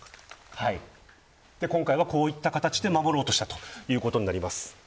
今回はこういった形で守ろうとしたということになります。